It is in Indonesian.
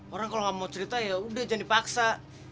orang kalau nggak mau cerita yaudah jangan dipaksa